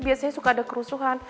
biasanya suka ada kerusuhan